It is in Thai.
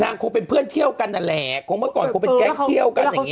คงเป็นเพื่อนเที่ยวกันนั่นแหละคงเมื่อก่อนคงเป็นแก๊งเที่ยวกันอย่างนี้